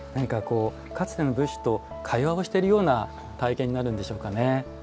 かつての仏師と会話をしているような体験になるんでしょうか。